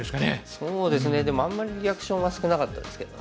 そうですねでもあんまりリアクションは少なかったですけどね。